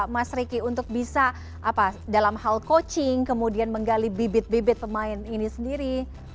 mas ricky untuk bisa dalam hal coaching kemudian menggali bibit bibit pemain ini sendiri